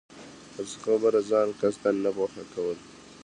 په څۀ خبره ځان قصداً نۀ پوهه كول